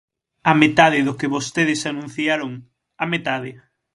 A metade do que vostedes anunciaron, a metade.